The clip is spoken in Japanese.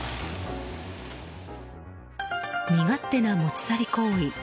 身勝手な持ち去り行為。